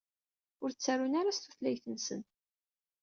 Ur ttarun ara s tutlayt-nsen.